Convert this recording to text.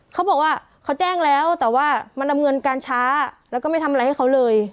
เขาบอกว่าเขาแจ้งแล้วแต่ว่ามันดำเนินการช้าแล้วก็ไม่ทำอะไรให้เขาเลย